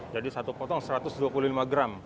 jadi satu potong satu ratus dua puluh lima gram